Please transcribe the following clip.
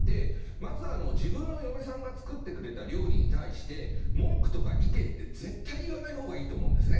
まず自分の嫁さんが作ってくれた料理に対して文句とか意見って絶対言わないほうがいいと思うんですね。